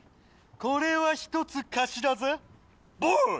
これは一つ貸しだぜボーイ！